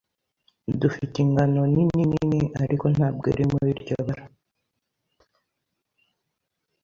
Dufite ingano-nini-nini, ariko ntabwo iri muri iryo bara.